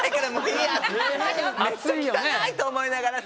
汚いと思いながら。